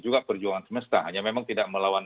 juga perjuangan semesta hanya memang tidak melawan